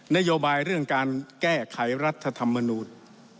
นโยบายเรื่องการแก้ไขรัฐธรรมนูล